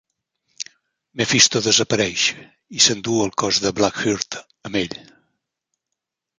Mephisto desapareix, i s'endú el cos de Blackheart amb ell.